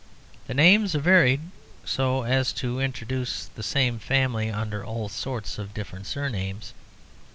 The names are varied, so as to introduce the same family under all sorts of different surnames.